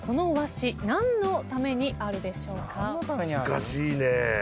難しいね。